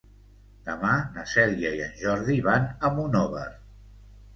Demà na Cèlia i en Jordi van a Monòver.